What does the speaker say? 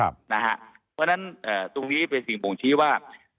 เพราะฉะนั้นตรงนี้เป็นสิ่งบ่งชี้ว่า